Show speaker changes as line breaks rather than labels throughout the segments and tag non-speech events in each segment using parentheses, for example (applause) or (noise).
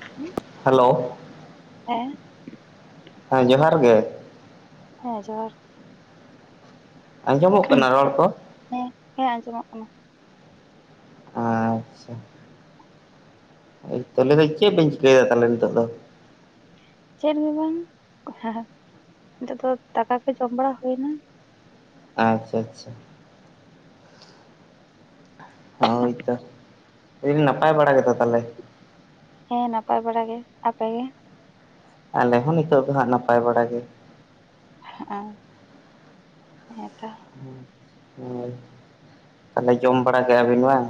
ᱦᱮᱸ
ᱦᱮᱞᱳ
ᱦᱮᱸᱻ
ᱦᱮᱸ ᱡᱚᱦᱟᱨ ᱜᱮ
ᱦᱮᱸ ᱡᱚᱦᱟᱨ
ᱟᱸᱡᱚᱢᱚᱜ ᱠᱟᱱᱟ ᱨᱚᱲ ᱠᱚ?
ᱦᱮᱸᱻᱦᱮᱸ ᱟᱸᱡᱚᱢᱚᱜ ᱠᱟᱱᱟ᱾
ᱟᱪᱷᱟ ᱛᱟᱦᱚᱞᱮ ᱫᱚ ᱪᱮᱫ ᱵᱮᱱ ᱪᱤᱠᱟᱹᱭ ᱫᱟ ᱛᱟᱦᱚᱞᱮ ᱱᱤᱛᱚᱜ ᱫᱚ?
ᱪᱮᱫ ᱜᱮ ᱵᱟᱝ ᱦᱮᱸ ᱱᱤᱛᱚᱜ ᱫᱚ ᱫᱟᱠᱟ ᱠᱚ ᱡᱚᱢ ᱵᱟᱲᱟ ᱦᱩᱭ ᱮᱱᱟ᱾
ᱟᱪᱷᱟ-ᱟᱪᱷᱟ ᱦᱳᱭ ᱛᱚ ᱞᱟᱹᱭᱫᱟᱹᱧ ᱱᱟᱯᱟᱭ ᱵᱟᱲᱟ ᱜᱮᱛᱚ ᱛᱟᱦᱞᱮ?
ᱦᱮᱸ ᱱᱟᱯᱟᱭ ᱵᱟᱲᱟ ᱜᱮ ᱟᱯᱮ ᱜᱮ
ᱟᱞᱮ ᱦᱚᱸ ᱱᱤᱛᱚᱜ ᱫᱚ ᱦᱟᱸᱜ ᱱᱟᱯᱟᱭ ᱵᱟᱲᱟ ᱜᱮ
ᱚᱸ ᱦᱮᱸ ᱛᱚ
ᱦᱮᱸ ᱦᱳᱭ ᱛᱟᱦᱚᱞᱮ ᱡᱚᱢ ᱵᱟᱲᱟ ᱠᱮᱫᱟᱵᱤᱱ ᱵᱟᱝ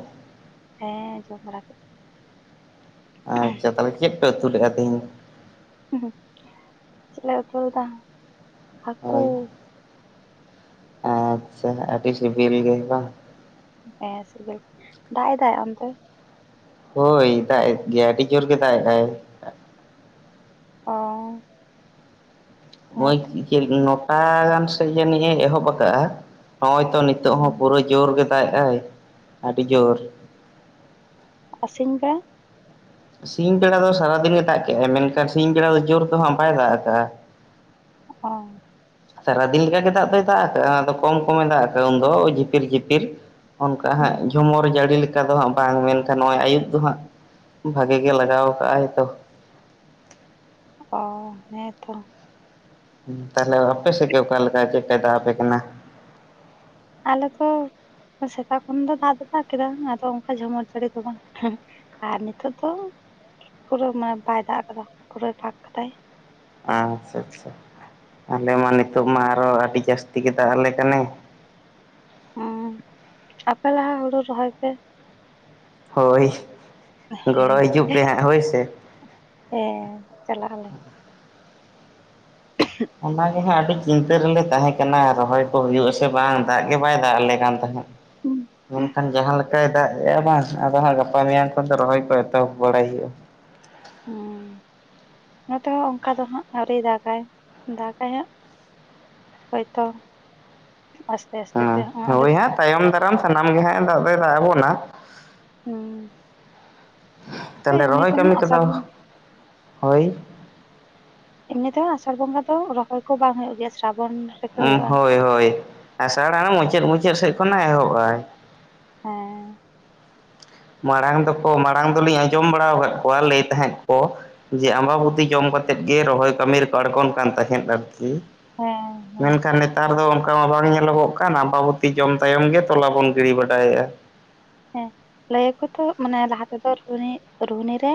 ᱦᱮᱸ ᱡᱚᱢ ᱵᱟᱲᱟ ᱠᱮᱫ
ᱟᱪᱷᱟ ᱛᱟᱦᱚᱞᱮ ᱪᱮᱫ ᱯᱮ ᱩᱛᱩ ᱞᱮᱫᱜᱼᱟ ᱛᱮᱦᱮᱧ?
ᱦᱩᱸ ᱪᱮᱫ ᱞᱮ ᱩᱛᱩ ᱞᱮᱫᱟ ᱦᱟᱹᱠᱩ
ᱦᱳᱭ ᱟᱪᱷᱟ ᱟᱹᱰᱤ ᱥᱤᱵᱤᱞ ᱜᱮ ᱵᱟᱝ
ᱦᱮᱸ ᱥᱮᱵᱮᱞ ᱜᱮ ᱫᱟᱜ ᱮᱫᱟᱭ ᱚᱱᱛᱮ
ᱦᱳᱭ ᱫᱟᱜ ᱮᱫ ᱜᱮᱭᱟᱭ ᱟᱹᱰᱤ ᱡᱳᱨ ᱜᱮ ᱫᱟᱜ ᱮᱫᱟᱭ
ᱚᱸ
ᱱᱚᱴᱟ ᱜᱟᱱ ᱥᱮᱫ ᱡᱟᱹᱱᱤᱡ ᱮᱦᱚᱵ ᱟᱠᱟᱫᱟᱼᱟ ᱱᱚᱜ-ᱚᱭ ᱛᱚ ᱱᱤᱛᱚᱜ ᱦᱚᱸ ᱯᱩᱨᱟᱹᱭ ᱡᱳᱨ ᱜᱮ ᱫᱟᱜ ᱫᱟᱭ ᱟᱹᱰᱤ ᱡᱳᱨ
ᱟᱥᱤᱢ ᱠᱟ
ᱥᱤᱧ ᱵᱮᱲᱟ ᱫᱚ ᱥᱟᱨᱟᱫᱤᱱ ᱜᱮ ᱫᱟᱜ ᱠᱮᱜᱟᱭ ᱢᱮᱱᱠᱷᱟᱱ ᱥᱤᱧ ᱵᱮᱲᱟ ᱫᱚ ᱡᱳᱨ ᱛᱮᱦᱚᱸ ᱵᱟᱭ ᱫᱟᱜ ᱟᱠᱟᱜᱼᱟ᱾
ᱚᱸ
ᱥᱟᱨᱟᱫᱤᱱ ᱞᱮᱠᱟᱜᱮ ᱫᱟᱜ ᱫᱚᱭ ᱫᱟᱜ ᱟᱠᱟᱫᱼᱟ ᱟᱫᱚ ᱠᱚᱢ ᱠᱚᱢᱮ ᱫᱟᱜ ᱟᱠᱟᱫᱼᱟ ᱩᱱᱫᱚᱭ ᱡᱷᱤᱯᱤᱨ- ᱡᱷᱤᱯᱤᱨ ᱚᱱᱠᱟ ᱦᱟᱸᱜ
ᱦᱩᱸ
ᱡᱷᱚᱢᱚᱨ ᱡᱟᱹᱲᱤ ᱞᱮᱠᱟ ᱫᱚ ᱦᱟᱸᱜ ᱵᱟᱝ ᱢᱮᱱᱠᱷᱟᱱ ᱱᱚᱜᱼᱚᱭ ᱟᱭᱭᱩᱵ ᱫᱚ ᱦᱟᱸᱜ ᱵᱷᱟᱹᱜᱤ ᱜᱮ ᱞᱟᱜᱟᱣ ᱟᱠᱟ-ᱟᱭ ᱛᱚ
ᱚᱸ ᱦᱮᱸ ᱛᱚ
ᱛᱟᱦᱚᱞᱮ ᱚᱯᱮ ᱥᱮ ᱚᱠᱟ ᱞᱮᱠᱟ ᱪᱮᱫ ᱠᱟᱭ ᱫᱟᱜ ᱯᱮ ᱠᱟᱱᱟ?
ᱟᱞᱮ ᱛᱚ ᱥᱮᱛᱟᱜ ᱠᱷᱚᱱ ᱫᱚ ᱫᱟᱜ ᱫᱚ ᱫᱟᱜ ᱠᱮᱫᱟ ᱟᱫᱚ ᱚᱱᱠᱟ ᱡᱷᱚᱢᱚᱨ ᱡᱟᱹᱲᱤ ᱫᱚ ᱵᱟᱝ ᱟᱨ ᱱᱤᱛᱚᱜ ᱫᱚ ᱯᱩᱨᱟᱹ ᱢᱟᱱᱮ ᱵᱟᱭ ᱫᱟᱜ ᱠᱟᱫᱟ ᱯᱩᱨᱟᱹᱭ ᱯᱟᱜ ᱠᱟᱫᱟᱭ
ᱟᱪᱷᱟ-ᱟᱪᱷᱟ ᱟᱞᱮ ᱢᱟ ᱱᱤᱛᱳᱜ ᱢᱟ ᱟᱨᱚ ᱟᱹᱰᱤ ᱡᱟᱹᱥᱛᱤ ᱜᱮ ᱫᱟᱜ ᱟᱞᱮ ᱠᱟᱱᱟᱭ
ᱚᱸ ᱟᱯᱮ ᱞᱟᱦᱟ ᱦᱳᱲᱳ ᱨᱚᱦᱚᱭ ᱯᱮ
ᱦᱳᱭ ᱾ ᱜᱚᱲᱚ
ᱦᱮᱸ
ᱦᱤᱡᱩᱜ ᱯᱮ ᱦᱟᱸᱜ ᱦᱳᱭ ᱥᱮ
ᱦᱮᱸ ᱪᱟᱞᱟᱜ ᱟᱞᱮ ᱾
ᱚᱱᱟ ᱜᱮ ᱦᱟᱸᱜ ᱟᱹᱰᱤ ᱪᱤᱱᱛᱟᱹ ᱨᱮᱞᱮ ᱛᱟᱦᱮᱸ ᱠᱟᱱᱟ ᱨᱚᱦᱚᱭ ᱠᱚ ᱦᱩᱭᱩᱜ ᱟᱥᱮ ᱵᱟᱝ, ᱫᱟᱜ ᱜᱮ ᱵᱟᱭ ᱫᱟᱜ ᱟᱞᱮ ᱠᱟᱱ ᱛᱟᱦᱮᱸᱫ ᱾ ᱢᱮᱱᱠᱷᱟᱱ ᱡᱟᱦᱟᱸ ᱞᱮᱠᱟᱭ ᱫᱟᱜ ᱮᱼᱟ ᱵᱟᱝ ᱟᱫᱚ ᱦᱟᱸᱜ ᱜᱟᱯᱟ ᱢᱮᱭᱟᱝ ᱠᱷᱚᱱ ᱫᱚ ᱨᱚᱦᱚᱭ ᱠᱚᱜᱼᱟ ᱮᱛᱚᱦᱚᱵ ᱵᱟᱲᱟᱭ ᱦᱩᱭᱩᱜᱼᱟ ᱾
ᱦᱩᱸ ᱱᱚᱛᱮ ᱦᱚᱸ ᱚᱱᱠᱟ ᱫᱚ ᱦᱟᱸᱜ ᱟᱹᱣᱨᱤ ᱫᱟᱜᱟᱭ ᱾ ᱫᱟᱜ ᱟᱭ ᱦᱳᱭ ᱛᱚ ᱟᱥᱛᱮ ᱟᱥᱛᱮ ᱛᱮ
ᱦᱮᱸ ᱦᱳᱭ ᱦᱟᱸᱜ ᱛᱟᱭᱚᱢ ᱫᱟᱨᱟᱢ ᱥᱟᱱᱟᱢ ᱜᱮ ᱦᱟᱸᱜ ᱫᱟᱜ ᱫᱚᱩ ᱫᱟᱜ ᱟᱵᱚᱱᱟᱜ ᱾
ᱦᱩᱸ ᱾
ᱛᱟᱦᱚᱞᱮ ᱨᱚᱦᱚᱭ ᱠᱟᱹᱢᱤ
ᱟᱥᱟᱲ
ᱠᱚᱫᱚ
ᱵᱚᱱ
ᱦᱳᱭ ᱾
ᱮᱢᱱᱤ ᱛᱮᱦᱚᱸ ᱟᱸᱥᱟᱲ ᱵᱚᱸᱜᱟ ᱫᱚ ᱨᱚᱦᱚᱭ ᱠᱚ ᱵᱟᱝ ᱦᱳᱭᱳᱜ ᱜᱮᱭᱟ ᱥᱨᱟᱵᱚᱱ ᱨᱮᱜᱮ ᱦᱩᱭᱩᱜᱼᱟ
ᱦᱳᱭ ᱦᱳᱭ᱾ ᱟᱸᱥᱟᱲ ᱢᱩᱪᱟᱹᱫ, ᱢᱩᱪᱟᱹᱫ ᱥᱮᱫ ᱠᱷᱚᱱᱟᱜ ᱮᱦᱚᱵᱟᱭ ᱾
ᱦᱮᱸ ᱾
ᱢᱟᱲᱟᱝ ᱫᱚᱠᱚ ᱢᱟᱲᱟᱝ ᱫᱚᱞᱤᱧ ᱟᱸᱡᱚᱢ ᱵᱟᱲᱟ ᱠᱟᱫ ᱠᱚᱣᱟ ᱞᱟᱹᱭ ᱛᱟᱦᱮᱸᱫ ᱠᱚ ᱡᱮ ᱟᱢᱵᱟᱵᱩᱛᱤ ᱡᱚᱢ ᱠᱟᱛᱮᱫ ᱜᱮ, ᱨᱚᱦᱚᱭ ᱠᱟᱹᱢᱤ ᱨᱮᱠᱚ ᱟᱲᱜᱚᱱ ᱠᱟᱱ ᱛᱟᱦᱮᱸᱫ ᱟᱨᱠᱤ ᱾ ᱦᱩᱸ
ᱦᱮᱸ ᱦᱮᱸ
ᱢᱮᱱᱠᱷᱟᱱ ᱱᱮᱛᱟᱨ ᱫᱚ ᱢᱟ ᱵᱟᱝ ᱧᱮᱞᱚᱜᱚᱜ ᱠᱟᱱ ᱾ ᱟᱵᱟᱵᱚᱛᱤ ᱡᱚᱢ ᱛᱟᱭᱚᱢ ᱜᱮ ᱛᱚᱞᱟ ᱵᱚᱱ ᱜᱤᱲᱤ ᱵᱟᱰᱟᱭᱮᱫᱼᱟ ᱾
ᱦᱮᱸ ᱞᱟᱹᱭ ᱟᱠᱚ ᱛᱚ, ᱢᱟᱱᱮ ᱞᱟᱦᱟ ᱛᱮᱫᱚ ᱨᱩᱦᱱᱤ ᱨᱮ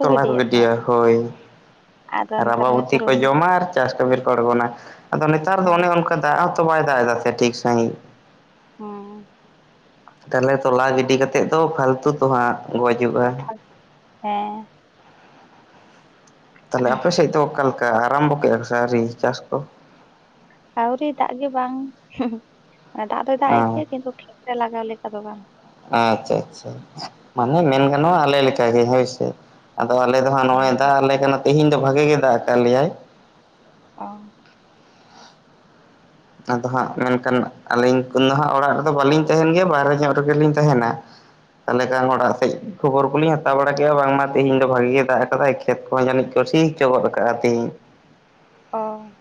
ᱛᱚᱞᱟ ᱠᱚ ᱜᱤᱰᱤᱭᱟ ᱦᱳᱭ ᱾
ᱟᱫᱚ ᱱᱮᱛᱟᱨ ᱢᱟ ᱪᱚ
ᱨᱟᱵᱟᱵᱩᱛᱤ ᱠᱚ
ᱨᱩᱦᱱᱤ
ᱡᱚᱢᱟ ᱟᱨ ᱪᱟᱥ ᱠᱟᱹᱢᱤ ᱨᱮᱠᱚ ᱟᱬᱜᱚᱱᱟ ᱟᱫᱚ ᱱᱮᱛᱟᱨ ᱫᱚ
ᱦᱮᱸ
ᱚᱱᱮ ᱚᱱᱠᱟ ᱫᱟᱜ ᱦᱚᱸ ᱛᱚ ᱵᱟᱭ ᱫᱟᱜ ᱫᱟᱭ ᱴᱷᱤᱠ ᱥᱟᱹᱦᱤᱡ ᱾
ᱚᱸ
ᱛᱟᱦᱚᱞᱮ ᱛᱚᱞᱟ ᱜᱤᱰᱤ ᱠᱟᱛᱮᱫ ᱫᱚ ᱯᱷᱟᱞᱛᱩ ᱛᱚ ᱦᱟᱸᱜ ᱜᱚᱡᱩᱜᱼᱟ ᱾
ᱦᱮᱸ ᱾
ᱛᱟᱦᱚᱞᱮ ᱟᱯᱮ ᱥᱮᱫ ᱫᱚ ᱚᱠᱟ ᱞᱮᱠᱟ ᱟᱨᱟᱢᱵᱚ ᱠᱮᱫᱼᱟ ᱥᱮ ᱟᱹᱣᱨᱤ ᱪᱟᱥ ᱠᱚ?
ᱟᱹᱣᱨᱤ ᱫᱟᱜ ᱜᱮ ᱵᱟᱝ ᱾ ᱫᱟᱜ ᱫᱚᱭ ᱫᱟᱜ
ᱚ
ᱮᱫ ᱜᱮᱭᱟ, ᱠᱤᱱᱛᱩ ᱠᱷᱮᱛ ᱨᱮ ᱞᱟᱜᱟᱣ ᱞᱮᱠᱟ ᱫᱚ ᱵᱟᱝ ᱾
ᱟᱪᱪᱷᱟ ᱟᱪᱪᱷᱟ ᱾ ᱢᱟᱱᱮ ᱢᱮᱱ ᱜᱟᱱᱚᱜᱼᱟ ᱟᱞᱮ ᱞᱮᱠᱟ ᱜᱮ ᱦᱳᱭ ᱥᱮ ᱾ ᱟᱫᱚ ᱟᱞᱮ ᱫᱚ ᱦᱟᱸᱜ ᱱᱚᱜᱼᱚᱭ
ᱦᱮᱸ
ᱫᱟᱜ ᱟᱞᱮ ᱠᱟᱱᱟ ᱛᱮᱦᱤᱧ ᱫᱚ ᱵᱷᱟᱜᱮ ᱜᱮ ᱫᱟᱜ ᱟᱠᱟᱫ ᱞᱮᱭᱟᱭ ᱾
ᱚ
ᱟᱫᱚ ᱦᱟᱸᱜ ᱢᱮᱱᱠᱷᱟᱱ ᱟᱹᱞᱤᱧ ᱫᱚ ᱦᱟᱸᱜ ᱚᱲᱟᱜ ᱨᱮᱫᱚ ᱵᱟᱹᱞᱤᱧ ᱛᱟᱦᱮᱱ ᱜᱮᱭᱟ᱾ ᱵᱟᱦᱨᱮ ᱧᱚᱜ ᱨᱮᱜᱮ ᱞᱤᱧ ᱛᱟᱦᱮᱱᱟ ᱾ ᱛᱟᱦᱚᱞᱮ ᱠᱷᱟᱱ ᱚᱲᱟᱜ ᱥᱮᱡ ᱠᱷᱚᱵᱚᱨ ᱠᱚᱞᱤᱧ ᱦᱟᱛᱟᱣ ᱵᱟᱲᱟ ᱠᱮᱜᱼᱟ ᱵᱟᱝᱼᱢᱟ ᱛᱮᱦᱮᱧ ᱫᱚ ᱵᱷᱟᱜᱮ ᱜᱮ ᱫᱟᱜ ᱠᱟᱫᱟᱭ ᱾ ᱠᱷᱮᱛ ᱠᱚᱦᱚᱸ ᱡᱟᱹᱱᱤᱡ ᱠᱚᱥᱤ ᱦᱚᱪᱚ ᱜᱚᱫ ᱟᱠᱟᱫᱼᱟ ᱛᱤᱦᱤᱧ ᱾
ᱚ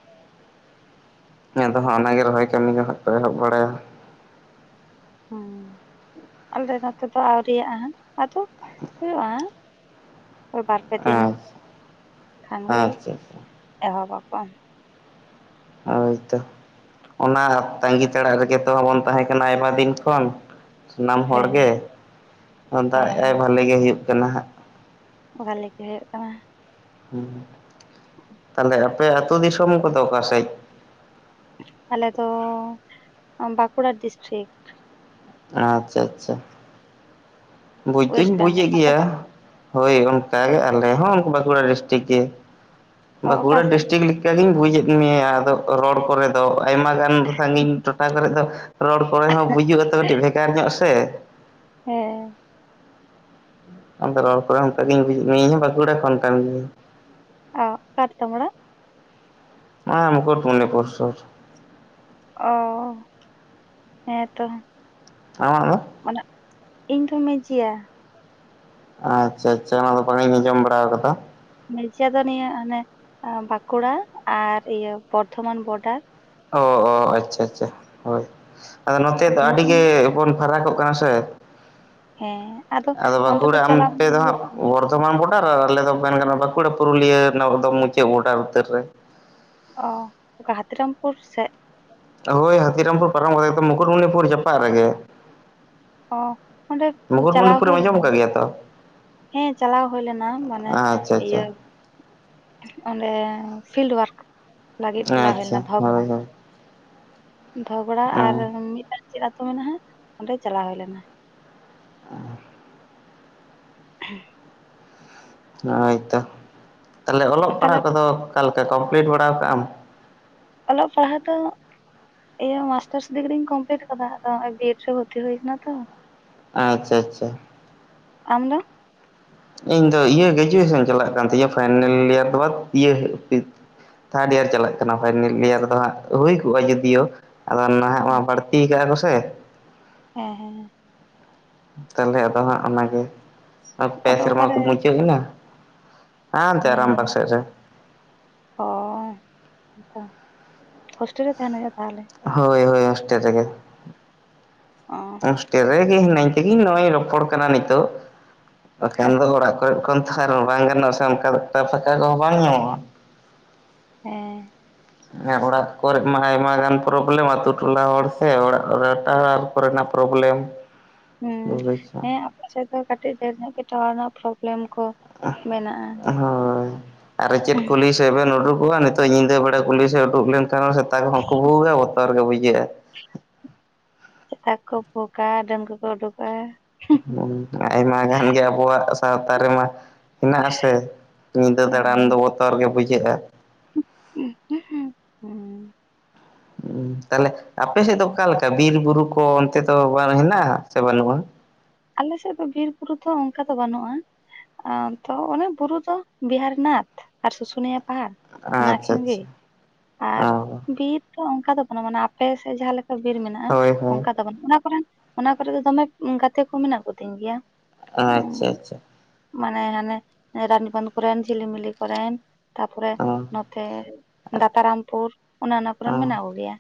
ᱟᱫᱚ ᱦᱟᱸᱜ ᱚᱱᱟ ᱜᱮ ᱨᱚᱦᱚᱭ ᱠᱟᱹᱢᱤ ᱫᱚ ᱦᱟᱸᱜ ᱠᱚ ᱮᱦᱚᱵ ᱵᱟᱲᱟ
ᱦᱚᱸ ᱟᱞᱮ ᱱᱚᱛᱮ ᱫᱚ ᱟᱹᱣᱨᱤᱟᱜᱼᱟ ᱦᱟᱸᱜ ᱟᱫᱚ ᱦᱩᱭᱩᱜᱼᱟ ᱾ ᱳᱭ ᱵᱟᱨ ᱯᱮ ᱫᱤᱱ ᱠᱷᱟᱱ ᱜᱮ
ᱟᱪᱪᱷᱟ ᱟᱪᱪᱷᱟ
ᱮᱦᱚᱵ ᱟᱠᱚ ᱾
ᱦᱳᱭ ᱛᱚ ᱚᱱᱟ ᱛᱟᱺᱜᱤ ᱛᱟᱲᱟᱜ ᱨᱮᱜᱮ ᱛᱚᱵᱚᱱ ᱛᱟᱦᱮᱸ ᱠᱟᱱᱟ ᱟᱭᱢᱟ ᱫᱤᱱ ᱠᱷᱚᱱ ᱾ ᱥᱟᱱᱟᱢ ᱦᱚᱲ ᱜᱮ
ᱦᱮᱸ
ᱫᱟᱜ ᱟᱭ
ᱦᱮᱸ
ᱵᱷᱟᱞᱤ ᱜᱮ ᱦᱩᱭᱩᱜ ᱠᱟᱱᱟ ᱦᱟᱸᱜ ᱾
ᱵᱷᱟᱞᱤ ᱜᱮ ᱦᱩᱭᱩᱜ ᱠᱟᱱᱟ ᱾
ᱦᱩᱸ ᱛᱟᱦᱚᱞᱮ ᱟᱯᱮ ᱟᱹᱛᱩ ᱫᱤᱥᱚᱢ ᱠᱚᱫᱚ ᱥᱮᱡ?
ᱟᱞᱮ ᱫᱚ ᱵᱟᱸᱠᱩᱲᱟ ᱰᱤᱥᱴᱤᱨᱤᱠ ᱾
ᱟᱪᱪᱷᱟ ᱟᱪᱪᱷᱟ ᱾ ᱵᱩᱡᱽ ᱫᱩᱧ
ᱳᱭᱮᱥᱴ
ᱵᱩᱡᱮᱫ
ᱵᱮᱝᱜᱚᱞ ᱟᱯᱮ
ᱜᱮᱭᱟ
ᱫᱚ
᱾ ᱦᱳᱭ ᱚᱱᱠᱟ ᱜᱮ ᱟᱞᱮ ᱦᱚᱸ ᱵᱟᱸᱠᱩᱲᱟ ᱰᱤᱥᱴᱤᱠ ᱜᱮ,
ᱚ ᱚᱠᱟ
ᱵᱟᱸᱠᱩᱲᱟ
ᱥᱮᱫ
ᱰᱤᱥᱴᱤᱠ ᱤᱱᱠᱟᱹᱜᱤᱧ ᱵᱩᱡᱮᱫ ᱢᱮᱭᱟ ᱟᱫᱚ ᱨᱚᱲ ᱠᱚᱨᱮ ᱛᱚ ᱟᱭᱢᱟ ᱜᱟᱱ ᱥᱟᱺᱜᱤᱧ ᱴᱚᱴᱷᱟ ᱠᱚᱨᱮ ᱫᱚ ᱨᱚᱲ ᱠᱚᱨᱮ ᱦᱚᱸ ᱵᱩᱡᱩᱜᱼᱟ ᱛᱚ ᱟᱹᱰᱤ ᱵᱷᱮᱜᱟᱨ ᱧᱚᱜ ᱥᱮ,
ᱦᱮᱸ ᱾
ᱟᱫᱚ ᱨᱚᱲ ᱠᱚᱨᱮ ᱚᱱᱠ ᱜᱮᱧ ᱵᱩᱡᱮᱫ ᱢᱮᱭᱟ ᱤᱧ ᱦᱚᱸ ᱵᱟᱸᱠᱩᱲᱟ ᱠᱷᱚᱱ ᱠᱷᱱ ᱜᱮᱤᱭᱟᱹᱧ ᱾
ᱚ ᱚᱠᱟ ᱨᱮᱛᱟᱢ ᱚᱲᱟᱜ?
ᱚᱱᱟ ᱢᱩᱠᱩᱴᱢᱚᱱᱤᱯᱩᱨ ᱥᱩᱨ, ᱾
ᱚᱻ ᱦᱮᱸ ᱛᱚ ᱾
ᱟᱢᱟᱜ ᱫᱚ?
ᱚᱱᱟ ᱤᱧ ᱫᱚ ᱢᱮᱡᱤᱭᱟ ᱾
ᱟᱪᱷᱟ ᱟᱪᱷᱟ ᱚᱱᱟ ᱫᱚ ᱵᱟᱝ ᱤᱧ ᱟᱸᱡᱚᱢ ᱵᱟᱲᱟ ᱟᱠᱟᱫᱟ ᱾
(unintelligible) ᱡᱮᱡᱤᱭᱟ ᱫᱚ ᱱᱤᱭᱟᱹ ᱟᱱᱮ ᱵᱟᱸᱠᱩᱲᱟ ᱟᱨ ᱤᱭᱟᱹ ᱵᱚᱨᱫᱷᱚᱢᱟᱱ ᱵᱚᱰᱟᱨ ᱾
ᱚ ᱚ ᱟᱪᱴᱪᱷᱟ ᱟᱪᱷᱟ ᱦᱳᱭ ᱟᱫᱚ ᱱᱚᱛᱮ ᱫᱚ ᱟᱹᱰᱤ
ᱢᱩᱠᱩᱴᱢᱩᱱᱤ
ᱜᱮᱵᱚᱱ ᱯᱷᱟᱨᱟᱠᱚᱜ ᱠᱟᱱᱟ ᱥᱮ
ᱦᱮᱸ
ᱟᱫᱚ
ᱫᱚ
ᱵᱟᱸᱠᱩᱲᱟ
ᱪᱟᱞᱟᱣ
ᱚᱱᱛᱮ ᱫᱚ ᱦᱟᱸᱜ ᱵᱚᱨ ᱫᱚᱢᱟᱱ ᱵᱚᱰᱟᱨ ᱟᱨ ᱟᱞᱮ ᱫᱚ ᱢᱮᱱ ᱜᱟᱱᱚᱜ-ᱟ ᱵᱟᱸᱠᱩᱲᱟ ᱯᱩᱨᱩᱞᱤᱭᱟᱹ ᱨᱮᱱᱟᱜ ᱮᱠᱫᱚᱢ ᱢᱩᱪᱟᱹᱫ ᱵᱚᱰᱟᱨ ᱩᱛᱟᱹᱨ ᱨᱮ ᱾
ᱚᱸ, ᱚᱠᱟ ᱦᱟᱹᱛᱤᱨᱟᱢᱯᱩᱨ ᱥᱮᱫ?
ᱦᱳᱭ ᱦᱟᱹᱛᱤᱨᱟᱢᱯᱩᱨ ᱯᱟᱨᱚᱢ ᱠᱟᱛᱮ ᱢᱩᱠᱩᱴᱢᱩᱱᱤᱯᱩᱨ ᱡᱟᱯᱟᱜ ᱨᱮᱜᱮ ᱾
ᱚᱸ ᱚᱸᱰᱮ ᱪᱟᱞᱟᱣ
ᱢᱩᱠᱩᱴᱢᱩᱱᱤᱯᱩᱨᱮᱢ
ᱦᱩᱭ
ᱟᱸᱡᱚᱢ
ᱞᱮᱱᱟ
ᱟᱠᱟᱫ
᱾
ᱜᱮᱭᱟ ᱛᱚ
ᱦᱮᱸ ᱪᱟᱞᱟᱣ ᱦᱩᱭ ᱞᱮᱱᱟ ᱢᱟᱱᱮ
ᱟᱪᱪᱷᱟ ᱟᱪᱪᱷᱟ
ᱤᱭᱟᱹ ᱚᱸᱰᱮ ᱯᱷᱤᱞᱰ ᱚᱣᱟᱨᱠ ᱞᱟᱹᱜᱤᱫ ᱪᱟᱞᱟᱣ ᱦᱩᱭ
ᱟᱪᱪᱷᱟ
ᱞᱮᱱᱟ ᱫᱷᱚᱵᱚ ᱾
ᱦᱳᱭ ᱦᱳᱭ
ᱫᱷᱚᱜᱽᱲᱟ ᱟᱨ
ᱦᱩᱸ
ᱢᱤᱫᱴᱟᱝ ᱪᱮᱫ ᱟᱛᱳ ᱢᱮᱱᱟᱜ-ᱟ ᱚᱸᱰᱮ ᱪᱟᱞᱟᱣ ᱦᱩᱭᱞᱱᱟ ᱾
(inaudible) (inaudible) ᱦᱳᱭᱛᱚ ᱛᱟᱦᱞᱮ ᱚᱞᱚᱜ ᱯᱟᱲᱦᱟᱣ
ᱛᱟᱦᱚᱞᱮ
ᱠᱚᱫᱚ ᱚᱠᱟᱞᱮᱠᱟ ᱠᱚᱢᱯᱞᱤᱴ ᱵᱟᱲᱟ ᱣᱟᱠᱟᱜ ᱟᱢ?
ᱚᱞᱚᱜ ᱯᱟᱲᱦᱟᱜ ᱫᱚ ᱤᱭᱟᱹ ᱢᱟᱥᱴᱟᱨᱥ ᱰᱤᱜᱽᱨᱤᱧ ᱠᱚᱢᱯᱤᱞᱤᱴ ᱟᱠᱟᱫᱟ ᱟᱫᱚ ᱦᱚᱸᱚᱭ ᱵᱤ ᱮᱰ ᱨᱮ ᱵᱷᱚᱨᱛᱤ ᱦᱩᱭ ᱟᱠᱟᱱᱟ ᱛᱚ ᱾
ᱟᱪᱷᱟ ᱟᱪᱷᱟ ᱾
ᱟᱢ ᱫᱚ?
ᱤᱧ ᱫᱚ ᱤᱭᱟᱹ ᱜᱨᱮᱡᱩᱭᱮᱥᱚᱱ ᱪᱟᱞᱟᱜ ᱠᱟᱱ ᱛᱤᱧᱟᱹ ᱯᱷᱟᱭᱱᱮᱞ ᱤᱭᱟᱨ ᱵᱟᱫ ᱤᱭᱟᱹ ᱛᱷᱟᱨᱰ ᱤᱭᱟᱨ ᱪᱟᱞᱟᱜ ᱠᱟᱱᱟ ᱯᱷᱟᱭᱱᱮᱞ ᱤᱭᱟᱨ ᱨᱮᱫᱚ ᱦᱟᱸᱜ ᱦᱩᱭ ᱠᱚᱜᱼᱟ ᱡᱩᱫᱤᱭᱳ ᱟᱫᱚ ᱱᱟᱦᱟᱜ ᱢᱟ ᱵᱟᱹᱲᱛᱤ ᱟᱠᱟᱜ-ᱟ ᱠᱚᱥᱮ ᱾
ᱦᱮᱸ ᱦᱮᱸ ᱦᱮᱸ ᱾
ᱛᱟᱦᱞᱮ ᱟᱫᱚ ᱦᱟᱸᱜ ᱚᱱᱟᱜᱮ ᱯᱮ
ᱟᱫᱚ
ᱥᱮᱨᱢᱟ ᱠᱚ
ᱚᱠᱟᱨᱮ
ᱢᱩᱪᱟᱹᱫ ᱮᱱᱟ ᱾ ᱦᱟᱱᱛᱮ ᱟᱨᱟᱢᱵᱟᱠ ᱥᱮᱜ ᱨᱮ ᱾
ᱦᱚᱭ ᱟᱫᱚ ᱦᱳᱥᱴᱮᱞ ᱨᱮ ᱛᱟᱦᱮᱱᱟᱭ ᱥᱮ ᱛᱟᱦᱚᱞᱮ ᱾
ᱦᱳᱭ ᱦᱳᱭ ᱦᱳᱥᱴᱮᱞ ᱨᱮᱜᱮ ᱾
ᱚᱸᱻ
ᱦᱳᱥᱴᱮᱞ ᱨᱮᱜᱮ ᱦᱤᱱᱟᱹᱧ ᱛᱮᱜᱮ ᱱᱚᱜᱚᱭ ᱨᱚᱯᱚᱲ ᱠᱟᱱᱟ ᱱᱤᱛᱚᱜ ᱵᱟᱠᱷᱟᱱ ᱫᱚ ᱚᱲᱟᱜ ᱠᱚᱨᱮ ᱠᱷᱚᱱ ᱟᱨ ᱦᱚᱸ ᱵᱟᱝ ᱜᱟᱱᱚᱜ-ᱟ ᱥᱮ ᱚᱱᱠᱟ (unintelligible) ᱯᱷᱟᱸᱠᱟ ᱯᱷᱟᱸᱠᱟ ᱠᱚᱦᱚᱸ ᱵᱟᱝ ᱧᱟᱢᱚᱜ-ᱟ ᱾
ᱦᱮᱸ ᱾
ᱚᱲᱟᱜ ᱠᱚᱨᱮ ᱢᱟ ᱟᱭᱢᱟ ᱜᱟᱱ ᱯᱨᱚᱵᱞᱮᱢ ᱟᱛᱳ ᱴᱚᱞᱟ ᱦᱚᱲ ᱥᱮ ᱚᱲᱟᱜ ᱨᱮ ᱴᱟᱶᱟᱨ ᱠᱚᱨᱮᱱᱟᱜ ᱯᱨᱚᱵᱮᱞᱮᱢ ᱾
ᱦᱮᱸ ᱦᱮᱸ ᱟᱯ ᱥᱮᱫ ᱫᱚ ᱠᱟᱹᱴᱤᱡ ᱰᱷᱮᱨ ᱧᱚᱜ ᱜᱮ ᱴᱟᱣᱟᱨ ᱨᱮᱱᱟᱜ ᱯᱨᱚᱵᱞᱮᱢ ᱠᱚ ᱾
ᱦᱳᱭ ᱟᱨ ᱪᱮᱫ ᱠᱚ ᱞᱤᱥ ᱥᱮᱵᱮᱱ ᱩᱰᱩᱠᱚᱜᱼᱟ ᱱᱤᱛᱚᱜ ᱧᱤᱫᱟᱹ ᱵᱮᱲᱟ ᱠᱩᱞᱤ ᱥᱮᱮᱫ ᱩᱰᱩᱠ ᱞᱮᱱᱠᱷᱟᱱ ᱥᱮᱛᱟ ᱠᱚᱦᱚᱸᱠᱚ ᱵᱩᱜᱽ-ᱟ ᱵᱚᱛᱚᱨ ᱜᱮᱮ ᱵᱩᱡᱷᱟᱹᱜᱼᱟ ᱾
ᱥᱮᱛᱟ ᱠᱚ ᱵᱷᱩᱜᱼᱟ ᱰᱟᱹᱱ ᱠᱚ ᱠᱚ ᱩᱰᱩᱠᱚ-ᱟ ᱾
ᱦᱮᱸ ᱟᱭᱢᱟ ᱜᱟᱱ ᱜᱮ ᱟᱵᱚᱣᱟᱜ ᱥᱟᱶᱛᱟ ᱨᱮᱢᱟ, ᱦᱮᱱᱟᱜᱼᱟᱥᱮ, ᱧᱤᱫᱟᱹ ᱫᱟᱬᱟᱱ
ᱦᱮᱸ
ᱫᱚ ᱵᱚᱛᱚᱨ ᱜᱮ ᱵᱩᱡᱷᱟᱹᱜᱼᱟ᱾
ᱩᱸ ᱦᱩᱸᱜ᱾
ᱩᱸ ᱛᱟᱞᱮ ᱟᱯᱮ ᱥᱮᱜ ᱫᱚ ᱚᱠᱟᱞᱮᱠᱟ? ᱵᱤᱨ, ᱵᱩᱨᱩ ᱠᱚ ᱚᱱᱛᱮ ᱫᱚ ᱵᱟᱱ ᱦᱮᱱᱟᱜᱼᱟ ᱥᱮ ᱵᱟᱹᱱᱩᱜᱼᱟ?
ᱟᱞᱮᱥᱮᱫ ᱫᱚ ᱵᱤᱨ, ᱵᱩᱨᱩ ᱛᱷᱚ ᱚᱝᱠᱟ ᱫᱚ ᱵᱟᱱᱩᱜᱼᱟᱸ᱾ ᱟ ᱛᱚ ᱚᱱᱮ ᱵᱩᱨᱩ ᱫᱚ 'ᱵᱤᱦᱟᱨᱱᱟᱛᱷ' ᱟᱨ 'ᱥᱩᱥᱩᱱᱤᱭᱟᱯ' ᱯᱟᱦᱟ ᱚᱱᱟ
ᱟᱪᱪᱷᱟ
ᱠᱷᱤᱱ ᱜᱮ
ᱟᱪᱪᱷᱟ
ᱟᱨ
ᱚ
ᱵᱤᱨ᱾ ᱛᱚ ᱚᱝᱠᱟ ᱫᱚ ᱵᱟᱱᱟ, ᱢᱟᱱᱮ ᱟᱯᱮ ᱥᱮᱡ ᱡᱟᱦᱟᱸ ᱞᱮᱠᱟ ᱵᱤᱨ ᱢᱮᱱᱟᱜᱼᱟ,
ᱦᱳᱭ ᱦᱳᱭ
ᱚᱝᱠᱟ ᱫᱚ ᱵᱟᱹᱱᱩᱜ᱾ ᱚᱱᱟ ᱠᱚᱨᱮᱱ ᱚᱱᱟ ᱠᱚᱨᱮ ᱫᱚ ᱫᱚᱢᱮ ᱩᱸ ᱜᱟᱛᱮ ᱠᱚ ᱢᱮᱱᱟᱜ ᱠᱚᱛᱤᱧ ᱜᱮᱭᱟ᱾ ᱩᱸ
ᱟᱼᱪᱪᱷᱟ-ᱪᱷᱟ᱾
ᱢᱟᱱᱮ ᱦᱟᱱᱮᱦ 'ᱨᱟᱱᱤ ᱵᱟᱸᱫᱽ' ᱠᱚᱨᱮᱱ, 'ᱡᱷᱤᱞᱤᱢᱤᱞᱤ' ᱠᱚᱨᱮᱱ᱾ ᱛᱟᱯᱚᱨᱮᱦ
ᱚ
ᱱᱚᱛᱮ 'ᱫᱟᱛᱟᱨᱟᱢᱯᱩᱨ' ᱚᱱᱮ ᱚᱱᱟ
ᱚ
ᱠᱚᱨᱮᱱ ᱢᱮᱱᱟᱜ ᱠᱚᱜᱮᱭᱟ᱾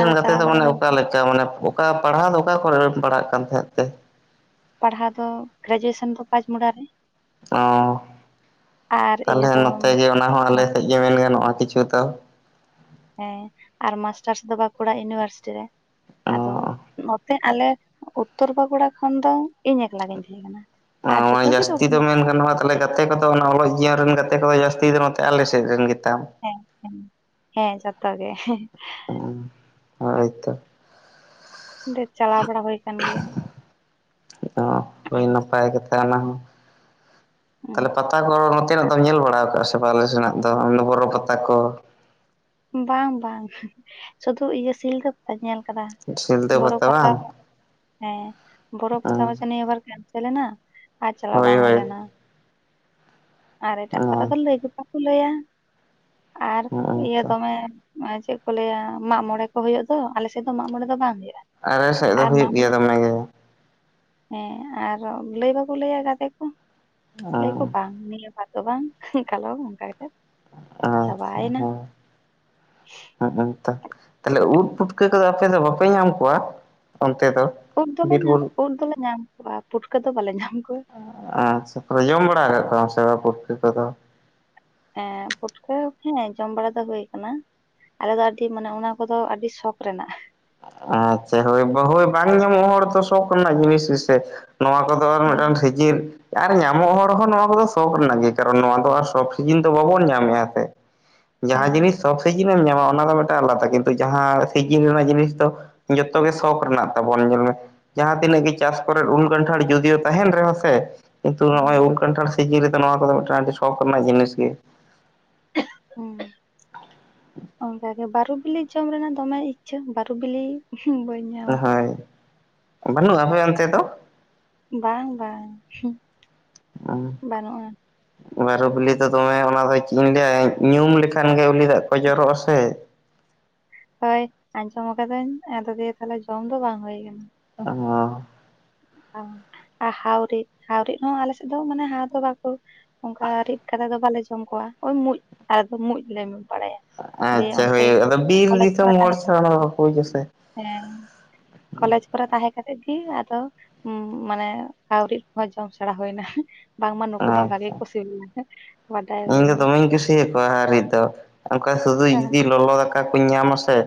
ᱟᱫᱚ ᱪᱟᱞᱟᱣ ᱵᱟᱲᱟ ᱦᱩᱭ
ᱪᱟ ᱢᱟᱱᱮᱯᱷ ᱚᱠᱟ ᱯᱟᱲᱦᱟᱣ ᱫᱚ, ᱚᱠᱟ ᱠᱚᱨᱮᱨᱮᱢ ᱯᱟᱲᱟᱜ ᱠᱟᱱ ᱛᱟᱦᱮᱸᱫ ᱛᱮ?
ᱯᱟᱲᱦᱟᱣ ᱫᱚ 'ᱜᱨᱮᱡᱩᱭᱮᱥᱚᱱ' ᱫᱚ 'ᱯᱟᱸᱪ ᱢᱚᱲᱟ' ᱨᱮ᱾
ᱚᱸ
ᱟᱨ ᱤᱭᱟᱹ
ᱛᱟᱦᱞᱮ
ᱫᱚ
ᱱᱚᱛᱮ ᱜᱮ, ᱚᱱᱟ ᱦᱚᱸ ᱟᱞᱮ
ᱢᱟ
ᱥᱮᱡ ᱜᱮ ᱢᱮᱱ ᱜᱟᱱᱚᱜᱼᱟ, ᱠᱤᱪᱷᱩ ᱫᱚ᱾
ᱦᱮᱸ, ᱟᱨ ᱢᱟᱥᱴᱟᱨᱥ ᱫᱚ 'ᱵᱟᱠᱩᱲᱟ ᱤᱱᱤᱣᱟᱨᱥᱤᱴᱤ' ᱨᱮ᱾
ᱚ
ᱟᱫᱚ ᱩᱸ ᱢᱚᱜ ᱛᱮᱜ ᱟᱞᱮ 'ᱩᱛᱛᱚᱨ ᱵᱟᱠᱩᱲᱟ' ᱠᱷᱚᱱ ᱫᱚ ᱤᱧ ᱮᱠᱞᱟ ᱜᱤᱧ ᱛᱷᱮᱸ ᱠᱟᱱᱟ᱾ ᱟᱨ
ᱚᱱᱟ ᱢᱟᱱᱮ
ᱡᱚᱛᱚ ᱜᱮ
ᱡᱟᱹᱥᱛᱤ
ᱫᱚᱠᱷᱤᱱ
ᱫᱚ ᱢᱮᱱ ᱜᱟᱱᱚᱜᱼᱟ ᱛᱟ ᱛᱟᱞᱮ ᱜᱟᱛᱮ ᱠᱚᱫᱚ, ᱚᱱᱟ ᱚᱞᱚᱜ ᱡᱤᱭᱚᱱ ᱨᱮᱱ ᱜᱟᱛᱮ ᱠᱚᱫᱚ, ᱡᱟᱹᱥᱛᱤ ᱫᱚ ᱱᱚᱛᱮ ᱟᱞᱮᱥᱮᱜ ᱨᱮᱱ ᱜᱮ ᱛᱟᱢ!
ᱦᱮᱸ, ᱮᱸ ᱦᱮᱸ, ᱡᱚᱛᱚ ᱜᱮ᱾
ᱩᱸ ᱦᱳᱭ ᱛᱚ᱾
ᱰᱮ ᱪᱟᱞᱟᱣ ᱵᱟᱲᱟ ᱦᱩᱭ ᱠᱟᱱ ᱜᱮᱭᱟ᱾
ᱛᱮ ᱚᱱᱟ ᱦᱚᱸ
ᱦᱩᱸ᱾
ᱛᱟᱞᱮ ᱯᱟᱛᱟ ᱠᱚᱨ ᱛᱮᱱᱟᱜ ᱫᱚᱢ ᱧᱮᱞ ᱵᱟᱲᱟᱣ ᱠᱟᱜᱼᱟ ᱥᱮ ᱵᱟᱞᱮ ᱥᱮᱱᱟᱜ ᱫᱚ, ᱩᱱ ᱫᱚ 'ᱵᱚᱨᱚ ᱯᱟᱟᱛᱟ' ᱠᱚ?
ᱵᱟᱝ-ᱵᱟᱝ ᱥᱩᱫᱷᱩ ᱤᱭᱟᱹ 'ᱥᱤᱞᱫᱷᱟᱹ' ᱯᱟᱛᱟ ᱧᱮᱞ᱾ ᱠᱟᱫᱟᱦ
ᱥᱤᱞᱫᱟᱹ
'ᱵᱚᱨᱚ ᱯᱟᱛᱟ'
ᱵᱟᱝ
ᱦᱚᱸ ᱦᱮᱸ, 'ᱵᱚᱨᱚ ᱯᱟᱛᱟᱶᱚᱥ' ᱮ ᱱᱤᱭᱟᱹ ᱵᱟᱨ ᱠᱮᱱᱥᱮᱞᱮᱱᱟ ᱟᱨ ᱪᱟᱞᱟᱣ
ᱦᱳᱭ
ᱵᱟᱝ ᱦᱩᱭ
ᱦᱳᱭ
ᱞᱮᱱᱟ᱾ ᱟᱨ ᱮᱴᱟᱜ 'ᱯᱟᱛᱟ' ᱫᱚ ᱞᱟᱹᱭ ᱜᱮ ᱯᱟᱠᱚ ᱞᱟᱹᱭᱟ ᱟᱨ
ᱦᱚᱸᱜᱼᱚᱭ
ᱤᱭᱟᱹ
ᱛᱚ
ᱮᱸᱦ ᱚᱶᱮ ᱪᱮᱜ ᱠᱚ ᱞᱟᱹᱭᱟ, 'ᱢᱟᱜ ᱢᱚᱬᱮ' ᱠᱚ ᱦᱩᱭᱩᱜ ᱫᱚᱻ, ᱟᱞᱮ ᱥᱮᱫ ᱫᱚ, 'ᱢᱟᱜ ᱢᱚᱬᱮ' ᱫᱚ ᱵᱟᱝ ᱦᱩᱭᱩᱜᱼᱟ᱾
ᱟᱨᱮ ᱥᱮᱜ ᱫᱚ
ᱟᱨ
ᱦᱩᱭᱩᱜ
ᱢᱟᱜ
ᱜᱮᱭᱟ
ᱢᱚᱬᱮ
ᱫᱚᱢᱮ ᱜᱮ᱾
ᱦᱮᱸ, ᱟᱨᱚ ᱞᱟᱹᱭ ᱵᱟᱠᱚ, ᱞᱟᱹᱭᱟ ᱜᱟᱛᱮ ᱠᱚᱸ᱾ ᱞᱟᱹᱭ ᱠᱚ ᱵᱟᱝ ᱱᱤᱭᱟᱹ ᱵᱷᱟᱨ ᱫᱚ ᱵᱟᱝ ᱩᱸ ᱠᱟᱞᱚᱢ ᱚᱝᱠᱟ ᱠᱟᱛᱮ ᱪᱟᱵᱟᱭᱮᱱᱟ᱾
ᱦᱩᱸᱜ ᱩᱸ ᱛᱚ ᱛᱟᱞᱮ ᱩᱫ ᱯᱩᱴᱠᱟᱹ ᱠᱚᱫᱚ, ᱟᱯᱮ ᱫᱚ ᱵᱟᱯᱮ ᱧᱟᱢ ᱠᱚᱣᱟ, ᱚᱱᱛᱮ ᱫᱚ?
ᱩᱫ ᱫᱚᱞᱮ ᱧᱟᱢ,
ᱵᱤᱨᱵᱩᱨᱩ
ᱩᱫ ᱫᱚᱞᱮ ᱧᱟᱢ ᱠᱚᱣᱟ, ᱯᱩᱴᱠᱟᱹ ᱫᱚ ᱵᱟᱞᱮ ᱧᱟᱢ ᱠᱚᱣᱟ!
ᱟᱼᱪᱪᱷᱟ, ᱥᱮ ᱯᱚᱨᱮ ᱡᱚᱢ ᱵᱟᱲᱟ ᱠᱟᱜ ᱠᱚᱣᱟᱢ ᱥᱮ ᱵᱟ ᱯᱩᱴᱠᱟᱹ ᱠᱚᱫᱚ?
ᱮᱸ ᱯᱩᱴᱠᱟᱹ ᱦᱮᱸᱻ, ᱡᱚᱢ ᱵᱟᱲᱟ ᱫᱚ ᱦᱩᱭ ᱠᱟᱱᱟ᱾ ᱟᱞᱮᱫᱚ ᱟᱹᱰᱤ, ᱢᱟᱱᱮ ᱚᱱᱟ ᱠᱚᱫᱚ ᱟᱹᱰᱤ ᱥᱚᱠ ᱨᱮᱱᱟᱜ᱾
ᱟᱪᱪᱟ, ᱦᱳᱭ, ᱵᱳᱦᱳᱭ ᱵᱟᱝ ᱧᱟᱢᱚᱜ ᱦᱚᱲ ᱛᱚ, ᱥᱚᱠ ᱱᱟᱜ ᱡᱤᱱᱤᱥ ᱜᱮᱥᱮ ᱱᱚᱣᱟ ᱠᱚᱫᱚ᱾ ᱛᱚ ᱟᱨ
ᱦᱮᱸ
ᱢᱤᱴᱟᱝ ᱥᱤᱡᱤᱞ ᱟᱨ ᱧᱟᱢᱚᱜ ᱦᱚᱲ ᱦᱚᱸ ᱱᱚᱣᱟ ᱠᱚᱫᱚ ᱥᱚᱠ ᱨᱮᱱᱟᱜ ᱜᱮ᱾ ᱠᱟᱨᱚᱱ ᱱᱚᱣᱟ ᱫᱚ ᱟᱨ ᱥᱚᱵᱽ ᱥᱤᱡᱤᱱ ᱫᱚ ᱵᱟᱵᱚᱱ ᱧᱟᱢᱮᱜᱼᱟ ᱥᱮ! ᱡᱟᱦᱟᱸ
ᱦᱮᱸ
ᱡᱤᱱᱤᱥ ᱥᱚᱵᱽ ᱥᱤᱡᱤᱱᱮᱢ ᱧᱟᱢᱟ ᱚᱱᱟ ᱫᱚ ᱢᱤᱴᱟ ᱟᱞᱟᱫᱟ᱾ ᱠᱤᱱᱛᱩ ᱡᱟᱦᱟᱸ ᱥᱤᱡᱤᱱ ᱨᱮᱱᱟᱜ ᱡᱤᱱᱤᱥ ᱛᱚᱦ ᱡᱚᱛᱚ ᱜᱮ ᱥᱚᱠ ᱨᱮᱱᱟᱜ ᱛᱟᱵᱚᱱ ᱧᱮᱞ ᱢᱮ ᱡᱟᱦᱟᱸ ᱛᱤᱱᱟᱹᱜ ᱜᱮ ᱪᱟᱥ ᱠᱚᱨᱮ ᱩᱞ, ᱠᱟᱱᱴᱷᱟᱲ ᱡᱩᱫᱤᱭᱳ ᱛᱟᱦᱮᱱ ᱨᱮᱦᱚᱸ ᱥᱮ, ᱠᱤᱱᱛᱩ ᱶᱚᱜᱼᱚᱭ ᱩᱞ, ᱠᱟᱱᱴᱷᱟᱲ ᱥᱤᱡᱤᱱ ᱨᱮᱫᱚ, ᱱᱚᱣᱟ ᱠᱚᱫᱚ ᱢᱤᱜᱴᱟᱱ ᱟᱹᱰᱤ ᱥᱚᱠ ᱱᱟᱜ ᱡᱤᱱᱤᱥ ᱜᱮ᱾
ᱦᱩᱸ᱾ ᱚᱱᱠᱟᱜᱮ ᱵᱟᱨᱩ ᱵᱤᱞᱤ ᱡᱚᱢ ᱨᱮᱱᱟᱜ ᱫᱚᱢᱮ ᱤᱪᱪᱷᱟᱹ, ᱵᱟᱨᱩ ᱵᱤᱞᱤ ᱵᱟᱹᱧ ᱧᱟᱢ ᱟᱠᱟᱫᱟ
ᱦᱳᱭ ᱵᱟᱹᱱᱩᱜᱼᱟ ᱟᱯᱮ ᱚᱱᱛᱮ ᱫᱚ?
ᱵᱟᱝ ᱵᱟᱝ ᱵᱟᱹᱱᱩᱜᱼᱟ᱾
(inaudible) ᱵᱟᱨᱩ ᱵᱤᱞᱤ ᱫᱚ ᱫᱚᱢᱮ ᱚᱱᱟ ᱫᱚ ᱪᱮᱫ ᱤᱧ ᱞᱟᱹᱭᱟ ᱧᱩᱢ ᱞᱮᱠᱷᱟᱱ ᱜᱮ ᱩᱞᱤ ᱫᱟᱜ ᱠᱚ ᱡᱚᱨᱚᱜᱼᱟ ᱥᱮ ᱾
ᱦᱳᱭ ᱟᱸᱡᱚᱢ ᱟᱠᱟᱫᱟᱹᱧ ᱟᱫᱚ ᱫᱤᱭᱮ ᱛᱟᱦᱚᱞᱮ ᱡᱚᱢ ᱫᱚ ᱵᱟᱝ ᱦᱩᱭ ᱟᱠᱟᱱᱟ ᱾
ᱚ
ᱟᱨ ᱦᱟᱣᱨᱤᱫ, ᱦᱟᱣᱨᱤᱫ ᱦᱚᱸ ᱟᱞᱮ ᱥᱮᱫ ᱫᱚ ᱢᱟᱱᱮ ᱦᱟᱣ ᱫᱚ ᱵᱟᱠᱚ ᱚᱱᱠᱟ ᱨᱤᱫ ᱠᱟᱛᱮ ᱫᱚ ᱵᱟᱞᱮ ᱡᱚᱢ ᱠᱚᱣᱟ᱾ ᱳᱭ ᱢᱩᱸᱡ ᱟᱨ ᱫᱚ ᱢᱩᱸᱡ ᱞᱮ ᱵᱟᱲᱟᱭᱟ ᱾
ᱟᱪᱪᱷᱟ ᱦᱳᱭ᱾ ᱟᱫᱚ ᱵᱤᱨ ᱫᱤᱥᱚᱢ ᱦᱚᱲ
ᱛᱟᱦᱮᱸ
ᱪᱷᱟᱲᱟ ᱚᱱᱟ ᱫᱚ ᱵᱟᱠᱚ ᱵᱩᱡ ᱟᱲᱮ ᱾
ᱦᱮᱸ ᱠᱚᱞᱮᱡᱽ ᱠᱚᱨᱮ ᱛᱟᱦᱮᱸ ᱠᱟᱛᱮ ᱜᱤ ᱟᱫᱚ ᱦᱩᱸ ᱢᱟᱱᱮ ᱦᱟᱣᱨᱤᱫ ᱠᱚ ᱡᱚᱢ ᱥᱮᱲᱟ ᱦᱩᱭᱱᱟ ᱾ ᱵᱟᱝᱼᱢᱟ ᱱᱩᱠᱩ ᱦᱚᱸ ᱵᱷᱟᱜᱮ
ᱟᱪᱪᱷᱟ
ᱠᱚ ᱥᱤᱵᱤᱞᱟ ᱾
ᱤᱧ ᱫᱚ ᱫᱚᱢᱮᱧ ᱠᱩᱥᱤᱭᱟ ᱠᱚᱣᱟ ᱦᱟᱣᱨᱤᱫ ᱫᱚ, ᱚᱱᱠᱟ ᱥᱩᱫᱩ
ᱦᱮᱸ
ᱡᱩᱫᱤ ᱞᱚᱞᱚ ᱫᱟ ᱠᱟ ᱠᱩᱧ ᱧᱟᱢ ᱟᱥᱮ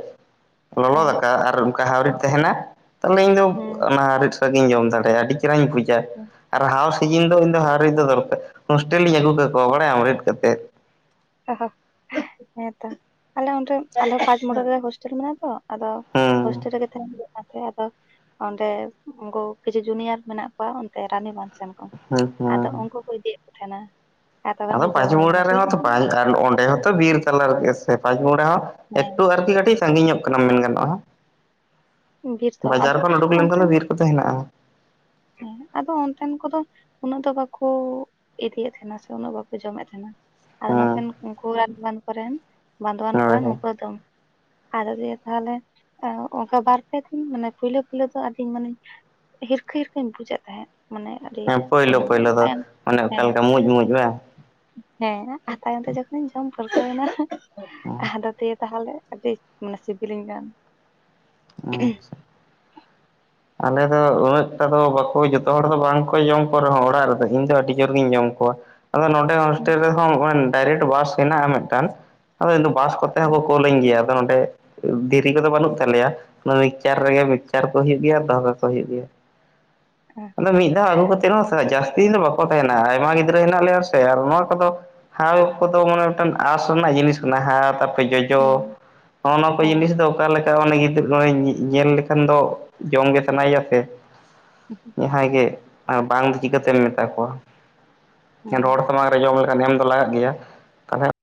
ᱞᱚᱞᱚ
ᱦᱮᱸ
ᱫᱟᱠᱟ ᱟᱨ ᱚᱱᱠᱟ ᱦᱟᱣᱨᱤᱤᱫ ᱛᱟᱦᱮᱱᱟ ᱛᱚᱦᱚᱞᱮ ᱤᱧ ᱫᱚ
ᱦᱩᱸ
ᱚᱱᱟ ᱨᱤᱫ ᱥᱟᱜ ᱜᱤᱧ ᱡᱚᱢ ᱫᱟᱲᱮᱭᱟᱜᱼᱟ᱾ ᱟᱹᱰᱤ ᱪᱮᱦᱨᱟᱧ ᱵᱩᱡᱟ
ᱦᱩᱸ
ᱟᱨ ᱦᱟᱣ (unintelligible) ᱫᱚ ᱤᱧ ᱫᱚ ᱦᱟᱣᱨᱤᱫ ᱫᱚ ᱫᱚᱨᱠᱟᱨ ᱦᱳᱥᱴᱮᱞᱤᱧ ᱟᱹᱜᱩ ᱠᱟᱠᱚᱣᱟ ᱵᱟᱲᱟᱭᱟᱢ ᱨᱤᱫ ᱠᱟᱛᱮᱫ ᱾
ᱚ ᱦᱮᱸ ᱛᱚ᱾ ᱟᱞᱮ ᱚᱸᱰᱮ ᱟᱞᱮ ᱯᱟᱸᱪ ᱢᱩᱲᱟᱨᱮ ᱦᱳᱥᱴᱮᱞ ᱢᱮᱱᱟᱜᱼᱟ ᱛᱚ ᱟᱫᱚ
ᱦᱩᱸ
ᱦᱳᱥᱴᱮᱞ ᱨᱮᱜᱮ ᱛᱟᱦᱮᱱ ᱦᱩᱭᱩᱜ ᱠᱟᱱ ᱛᱟᱦᱮᱸᱫ᱾ ᱟᱫᱚ ᱚᱸᱰᱮ ᱩᱱᱠᱩ ᱠᱤᱪᱷᱩ ᱡᱩᱱᱤᱭᱟᱨ ᱢᱮᱱᱟᱜ ᱠᱚᱣᱟ ᱚᱱᱛᱮ ᱨᱟᱱᱤᱵᱟᱫᱽ ᱥᱮᱱ ᱠᱚ
ᱦᱩᱸ
ᱟᱫᱚ
ᱦᱩᱸ
ᱩᱱᱠᱩ ᱠᱚ ᱤᱫᱤᱭᱮᱫ ᱠᱚ ᱛᱟᱦᱮᱱᱟ ᱾
ᱟᱫᱚ ᱯᱟᱸᱪ ᱢᱩᱲᱟ ᱨᱮᱦᱚᱸ (unintelligible) ᱚᱸᱰᱮ ᱦᱚᱸᱛᱚ ᱵᱤᱨ ᱛᱟᱞᱟ ᱨᱮᱜᱮ ᱥᱮ ᱯᱟᱸᱪ ᱢᱩᱲᱟ ᱦᱚᱸ ᱾ ᱮᱠᱴᱩ ᱟᱨᱠᱤ ᱠᱟᱹᱴᱤᱡ ᱥᱟᱺᱜᱤᱧ ᱧᱚᱜ ᱠᱟᱱᱟ ᱢᱮᱱ ᱜᱟᱱᱚᱜᱼᱟ
ᱦᱮᱸ ᱵᱤᱨ
᱾
ᱫᱚ
ᱵᱟᱡᱟᱨ
ᱟᱫᱚ
ᱠᱷᱚᱱ ᱩᱰᱩᱠ ᱞᱮᱱᱠᱷᱟᱱ ᱫᱚ
ᱚᱱᱛᱮᱱ
ᱵᱤᱨ ᱠᱚᱫᱚ ᱦᱮᱱᱟᱜᱼᱟ ᱾
ᱦᱮᱸ ᱟᱫᱚ ᱚᱱᱛᱮᱱ ᱠᱚᱫᱚ ᱩᱱᱟᱹᱜ ᱫᱚ ᱵᱟᱠᱚ ᱤᱫᱤᱭᱮᱫ ᱛᱟᱦᱮᱸᱱᱟ, ᱥᱮ ᱩᱱᱟᱹᱜ ᱵᱟᱠᱚ ᱡᱚᱢᱮᱫ ᱛᱟᱦᱮᱸᱱᱟ ᱾ ᱟᱫᱚ ᱱᱚᱛᱮᱱ
ᱦᱮᱸ
ᱠᱚ ᱨᱟᱱᱤ ᱵᱟᱫᱷ ᱠᱚᱨᱮᱱ ᱵᱟᱸᱫᱣᱟᱱ
ᱦᱳᱭ
ᱠᱚᱨᱮᱱ
ᱦᱳᱭ
ᱱᱚᱝᱠᱟ ᱫᱚ ᱟᱨᱚᱫ ᱛᱟᱦᱚᱞᱮ ᱚᱱᱠᱟ ᱵᱟᱨ ᱯᱮ ᱫᱤᱱ ᱢᱟᱱᱮ ᱯᱳᱭᱞᱳ, ᱯᱳᱭᱞᱳ ᱫᱚ ᱟᱰᱤᱧ ᱢᱟᱱᱮ ᱦᱤᱨ ᱠᱷᱤᱨ ᱜᱤᱧ ᱵᱩᱡᱮᱫ ᱛᱟᱦᱮᱸᱜ ᱢᱟᱱᱮ ᱟᱹᱰᱤ
ᱦᱮᱸ ᱯᱳᱭᱞᱳ,
ᱤᱭᱟᱹ
ᱯᱳᱭᱞᱳ
ᱧᱚᱜ
ᱫᱚ
ᱛᱟᱭᱚᱢ
ᱚᱱᱮ ᱚᱠᱟ
ᱦᱮᱸ
ᱞᱮᱠᱟ ᱢᱩᱸᱡ ᱢᱩᱸᱡ ᱵᱟ
ᱦᱮᱸ ᱟᱨ ᱛᱟᱭᱚᱢ ᱛᱮ ᱡᱚᱠᱷᱚ ᱡᱚᱢ ᱯᱚᱨᱠᱟᱹᱣ ᱮᱱᱟ᱾
ᱦᱩᱸ
ᱟᱫᱚ ᱫᱤᱭᱮ ᱛᱟᱦᱚᱞᱮ ᱟᱹᱰᱤ ᱢᱟᱱᱮ ᱥᱤᱵᱤᱞᱤᱧ ᱠᱟᱱ ᱾
ᱟᱪᱪᱷᱟ ᱾ ᱟᱞᱮ ᱫᱚ ᱩᱱᱟᱹᱜ ᱴᱟ ᱫᱚ ᱵᱟᱠᱚ ᱡᱚᱛᱚ ᱦᱚᱲ ᱫᱚ ᱵᱟᱝ ᱠᱚ ᱡᱚᱢ ᱠᱚ ᱨᱮᱦᱚᱸ ᱚᱲᱟᱜ ᱨᱮᱫᱚ᱾ ᱤᱧ ᱫᱚ ᱟᱹᱰᱤ ᱡᱳᱨ ᱜᱤᱧ ᱡᱚᱢ ᱠᱚᱣᱟ ᱟᱫᱚ ᱱᱚᱰᱮ ᱦᱳᱥᱴᱮᱞ ᱨᱮᱦᱚᱸ ᱰᱟᱭᱨᱮᱠᱴ ᱵᱟᱥ ᱦᱮᱱᱟᱜᱼᱟ ᱢᱤᱫᱴᱟᱝ ᱟᱫᱚ ᱤᱧ ᱫᱚ ᱵᱟᱥ ᱠᱚᱛᱮ ᱦᱚᱸᱠᱚ
ᱦᱮᱸ
ᱠᱳᱞᱟᱹᱧ ᱜᱮᱭᱟ ᱟᱫᱚ ᱱᱚᱰᱮ ᱫᱷᱤᱨᱤ ᱠᱚᱫᱚ ᱵᱟᱹᱱᱩᱜ ᱛᱟᱞᱮᱭᱟ᱾ ᱚᱱᱟ ᱢᱤᱠᱪᱟᱨ ᱨᱮᱜᱮ ᱢᱤᱠᱪᱟᱨ ᱠᱚ ᱦᱩᱭᱩᱜ ᱜᱮᱭᱟ ᱾ ᱫᱚᱦᱚ ᱠᱟᱠᱚ ᱦᱩᱭᱩᱜ ᱜᱮᱭᱟᱢ᱾ ᱟᱫᱚ ᱢᱤᱫ ᱫᱷᱟᱣ ᱟᱹᱜᱩ ᱠᱟᱛᱮᱫ ᱨᱮᱦᱚ ᱡᱟᱹᱥᱛᱤ ᱫᱤᱱ ᱫᱚ ᱵᱟᱠᱚ ᱛᱟᱦᱮᱱᱟ ᱟᱭᱢᱟ ᱜᱤᱫᱽᱨᱟᱹ ᱦᱮᱱᱟᱜ ᱞᱮᱭᱟ ᱥᱮ ᱟᱨ ᱱᱚᱣᱟ ᱠᱚᱫᱚ ᱦᱟᱣ ᱠᱚᱫᱚ ᱢᱟᱱᱮ ᱢᱤᱫᱴᱟᱝ ᱟᱸᱥ ᱨᱮᱱᱟᱜ ᱡᱤᱱᱤᱥ ᱠᱟᱱᱟ ᱾ ᱦᱟᱣ ᱡᱚᱡᱚ ᱦᱚᱜ ᱱᱚᱣᱟ ᱠᱚ ᱡᱤᱱᱤᱥ
ᱦᱮᱸ
ᱫᱚ ᱚᱠᱟ ᱞᱮᱠᱟ ᱩᱱᱤ ᱜᱤᱫᱽᱨᱟᱹ ᱧᱮᱞ ᱞᱮᱠᱷᱟᱱ ᱫᱚ ᱡᱚᱢ ᱜᱮ ᱥᱟᱱᱟᱭᱮᱭᱟ ᱥᱮ ᱡᱟᱦᱟᱸᱭ ᱜᱮ ᱵᱟᱝ ᱪᱤᱠᱟᱹᱛᱮᱢ ᱢᱮᱛᱟ ᱠᱚᱣᱟ ᱾
ᱦᱮᱸ
ᱦᱚᱲ ᱥᱟᱢᱟᱝ ᱨᱮ ᱡᱚᱢ ᱞᱮᱠᱷᱟᱱ ᱮᱢ ᱫᱚ ᱞᱟᱜᱟᱜ ᱜᱮᱭᱟ ᱾